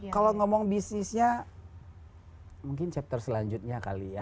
kalau ngomong bisnisnya mungkin chapter selanjutnya kali ya